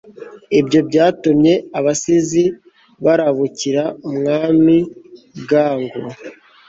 ibyo byatumye abasizi barabukira umwami bwangu